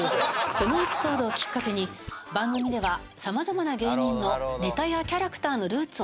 このエピソードをきっかけに番組ではさまざまな芸人のネタやキャラクターのルーツを調査。